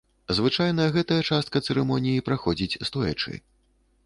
Звычайна гэтая частка цырымоніі праходзіць стоячы.